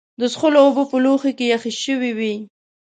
د څښلو اوبه په لوښي کې یخې شوې وې.